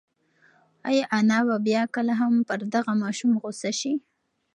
ایا انا به بیا کله هم پر دغه ماشوم غوسه شي؟